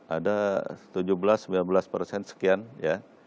ada tujuh belas sembilan belas persen sekian ya